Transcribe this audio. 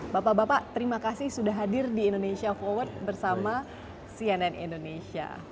bapak bapak terima kasih sudah hadir di indonesia forward bersama cnn indonesia